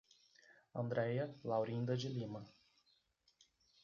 Andreia Laurinda de Lima